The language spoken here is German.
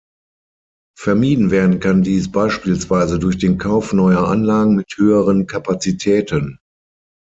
Vermieden werden kann dies beispielsweise durch den Kauf neuer Anlagen mit höheren Kapazitäten.